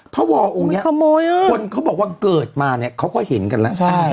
วอองค์นี้คนเขาบอกว่าเกิดมาเนี่ยเขาก็เห็นกันแล้ว